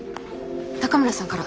高村さんから。